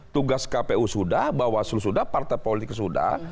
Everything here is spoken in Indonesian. tugas kpu sudah bawaslu sudah partai politik sudah